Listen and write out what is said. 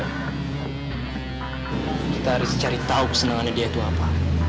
kita harus cari tau kesenangan dia itu apa